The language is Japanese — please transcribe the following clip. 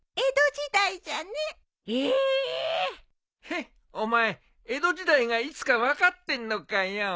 ヘッお前江戸時代がいつか分かってんのかよ。